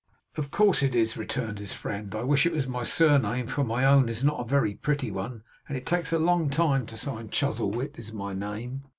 'Of course it is,' returned his friend: 'I wish it was my surname for my own is not a very pretty one, and it takes a long time to sign. Chuzzlewit is my name.